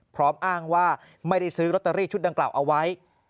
พร้อมอ้างว่าไม่ได้ซื้อลอตเตอรี่ชุดดังกล่าวเอาไว้